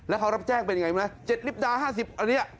แล้วเขารับแจ้งเป็นอย่างไรมั้ย๗ลิปดาห์๕๐อันนี้